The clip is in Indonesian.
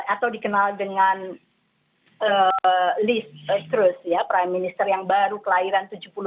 atau dikenal dengan liz truss ya prime minister yang baru kelahiran seribu sembilan ratus tujuh puluh lima